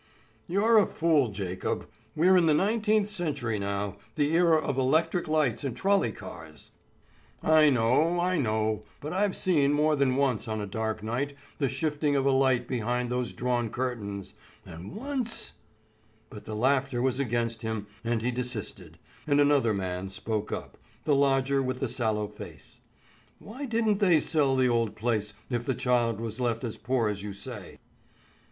"You're a fool, Jacob; we're in the nineteenth century now, the era of electric lights and trolley cars." "I know; I know; but I've seen more than once on a dark night the shifting of a light behind those drawn curtains, and once——" But the laughter was against him and he desisted, and another man spoke up—the lodger with the sallow face: "Why didn't they sell the old place if the child was left as poor as you say?"